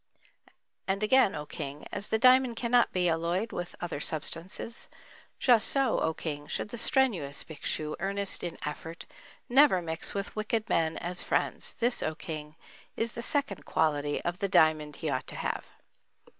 And again, O King, as the diamond cannot be alloyed with other substance; just so, O King, should the strenuous Bhikshu, earnest in effort, never mix with wicked men as friends. This, O King, is the second quality of the diamond he ought to have.